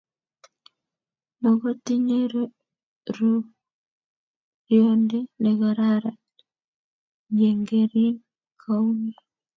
mokotinyei rorionde nekararan yegeerin kou ni